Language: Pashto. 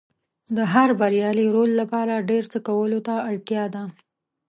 د هر بریالي رول لپاره ډېر څه کولو ته اړتیا ده.